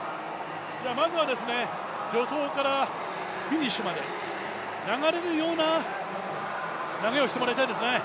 まずは助走からフィニッシュまで流れるような投げをしてもらいたいですね。